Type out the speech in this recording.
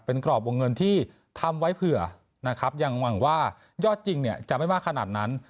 เป็นกรอบวงเงินที่ทำไว้เผื่อนะครับยังหวังว่ายอดจริงเนี่ยจะไม่มากขนาดนั้น